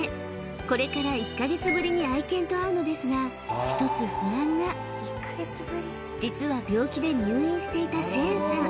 これから１か月ぶりに愛犬と会うのですがひとつ不安が実は病気で入院していたシェーンさん